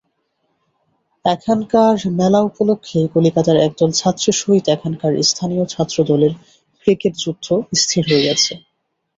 এখানকার মেলা উপলক্ষেই কলিকাতার একদল ছাত্রের সহিত এখানকার স্থানীয় ছাত্রদলের ক্রিকেট-যুদ্ধ স্থির হইয়াছে।